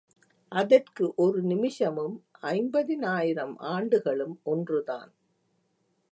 அதற்கு ஒரு நிமிஷமும் ஐம்பதினாயிரம் ஆண்டுகளும் ஒன்றுதான்.